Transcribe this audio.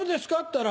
ったら